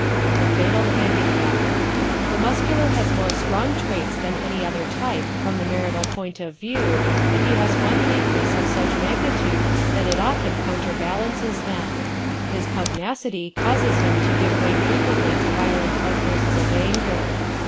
The Fatal Handicap ¶ The Muscular has more strong traits than any other type from the marital point of view, but he has one weakness of such magnitude that it often counterbalances them. His pugnacity causes him to give way frequently to violent outbursts of anger.